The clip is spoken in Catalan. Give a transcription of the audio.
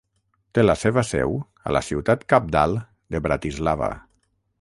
Té la seva seu a la ciutat cabdal de Bratislava.